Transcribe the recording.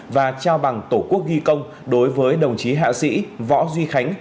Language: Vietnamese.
và trao bằng tổ quốc ghi công đối với đồng chí hạ sĩ võ duy khánh